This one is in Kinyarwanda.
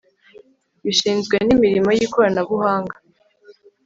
bishinzwe imirimo y ikorananabuhanga